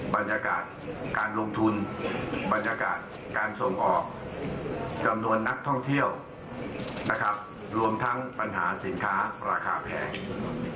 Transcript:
บรรยากาศการลงทุนบรรยากาศการส่งออกจำนวนนักท่องเที่ยวนะครับรวมทั้งปัญหาสินค้าราคาแพง